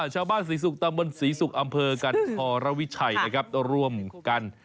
ศรีศุกร์ตำบลศรีศุกร์อำเภอกันธรวิชัยนะครับร่วมกัน